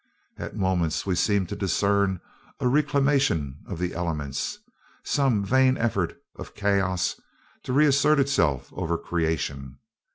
At moments we seem to discern a reclamation of the elements, some vain effort of chaos to reassert itself over creation.